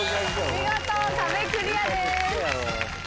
見事壁クリアです。